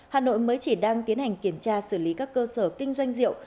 hà nội mới chỉ đang tiến hành kiểm tra xử lý các cơ sở kinh doanh rượu